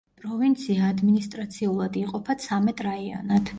პროვინცია ადმინისტრაციულად იყოფა ცამეტ რაიონად.